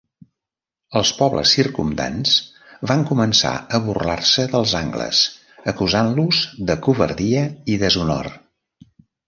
Els pobles circumdants van començar a burlar-se dels angles, acusant-los de covardia i deshonor.